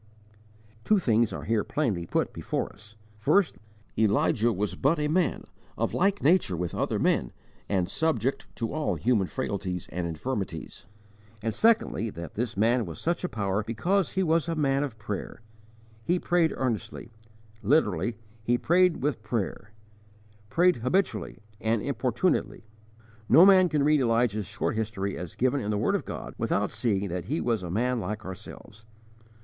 Two things are here plainly put before us: first, that Elijah was but a man, of like nature with other men and subject to all human frailties and infirmities; and, secondly, that this man was such a power because he was a man of prayer: he prayed earnestly; literally "he prayed with prayer"; prayed habitually and importunately. No man can read Elijah's short history as given in the word of God, without seeing that he was a man like ourselves.